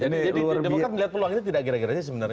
jadi demokrat melihat peluang ini tidak gara garanya sebenarnya